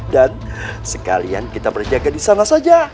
dan sekalian kita berjaga di sana saja